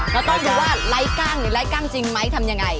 เราต้องดูว่าไลกล้างนี่ไลกล้างจริงไหมทำอย่างไร